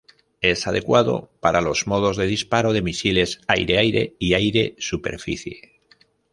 Es adecuado para los modos de disparo de misiles aire-aire y aire-superficie.